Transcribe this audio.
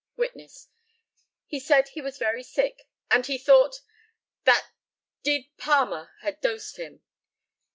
Witness: He said he was very sick, and he thought "that d Palmer" had dosed him.